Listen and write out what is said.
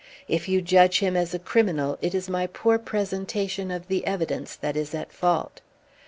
If you judge him as a criminal, it is my poor presentation of the evidence that is at fault.